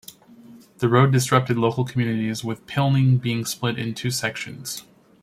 The road disrupted local communities, with Pilning being split in two sections.